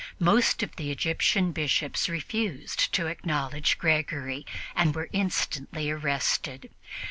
Most of the Egyptian Bishops refused to acknowledge Gregory and were instantly arrested.